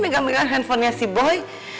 megang megang handphonenya si boy